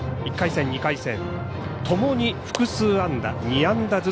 １回戦、２回戦ともに複数安打。